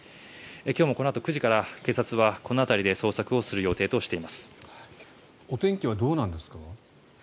今日もこのあと、９時から警察はこの辺りで捜索をする予定としています。